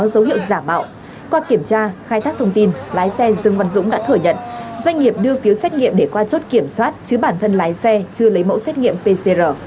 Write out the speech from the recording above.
qua kiểm tra khai thác thông tin lái xe dương văn dũng đã thở nhận doanh nghiệp đưa phiếu xét nghiệm để qua chốt kiểm soát chứ bản thân lái xe chưa lấy mẫu xét nghiệm pcr